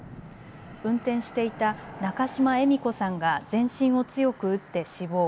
運転していた仲島江美香さんが全身を強く打って死亡。